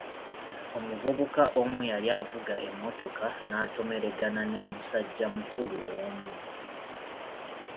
Omuvubuka omu yali avuga emmotoka n'atomeregana ne musajja mukulu omu.